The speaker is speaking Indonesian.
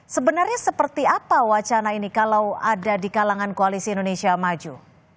sebenarnya seperti apa wacana ini kalau ada di kalangan koalisi indonesia maju